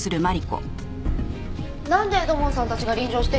なんで土門さんたちが臨場してるんです？